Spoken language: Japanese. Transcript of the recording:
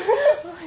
はい。